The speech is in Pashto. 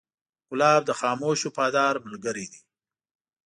ګلاب د خاموش وفادار ملګری دی.